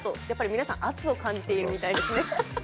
皆さん圧を感じているみたいですね。